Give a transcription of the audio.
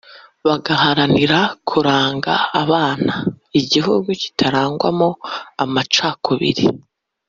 bagaharanira kuraga abana igihugu kitarangwamo amacakubiri